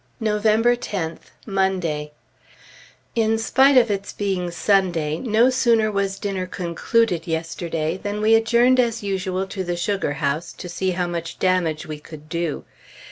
November 10th, Monday. In spite of its being Sunday, no sooner was dinner concluded yesterday than we adjourned, as usual, to the sugar house to see how much damage we could do.